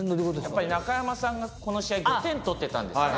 やっぱり中山さんがこの試合５点取ってたんですね。